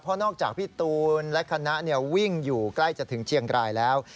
เพราะนอกจากพี่ตูนและคณะวิ่งอยู่ใกล้จะถึงเชียงรายแล้ว